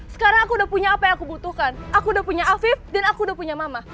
sekarang aku udah punya apa yang aku butuhkan aku udah punya afif dan aku udah punya mama